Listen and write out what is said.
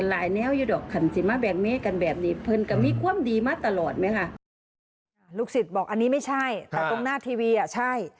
ลูกศิษย์บอกอันนี้ไม่ใช่แต่ตรงหน้าทีวีอ่ะใช่